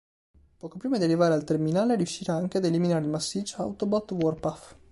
Poco prima di arrivare al terminale riuscirà anche ad eliminare il massiccio Autobot Warpath.